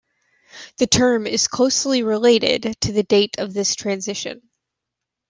The term is closely related to the date of this transition.